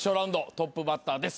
トップバッターです。